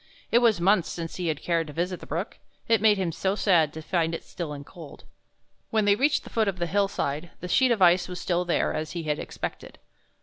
It was months since he had cared to visit the brook, it made him so sad to find it still and cold. When they reached the foot of the hillside the sheet of ice was still there, as he had expected.